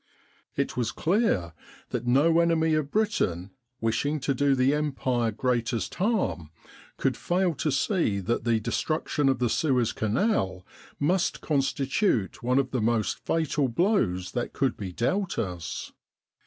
It was clear that no enemy of Britain, wishing to do the Empire greatest harm, could fail to see that the destruction of the Suez Canal must constitute one of the most fatal blows that could be dealt us.